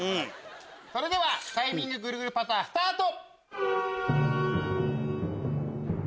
それではタイミングぐるぐるパタースタート！